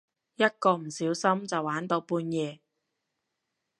一個唔小心就玩到半夜